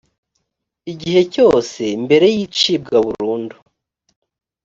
igihe cyose mbere y icibwa burundu